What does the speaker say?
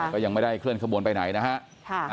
ก็ยังไม่ได้เคลื่อนขบวนไปไหนนะฮะ